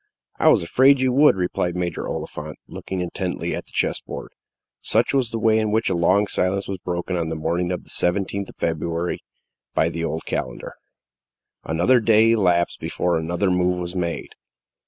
"I was afraid you would," replied Major Oliphant, looking intently at the chess board. Such was the way in which a long silence was broken on the morning of the 17th of February by the old calendar. Another day elapsed before another move was made.